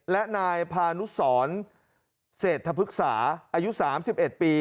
และนายพานุสรเศรษฐภึกษาอายุ๓๑ปี